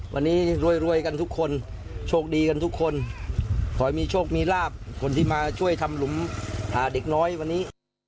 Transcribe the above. วันนี้รวยกันทุกคนโชคดีกันทุกคนขอให้มีโชคมีลาบคนที่มาช่วยทำหลุมเด็กน้อยวันนี้